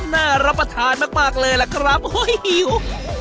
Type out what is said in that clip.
น่ารับประทานมากเลยล่ะครับโอ้โหหิว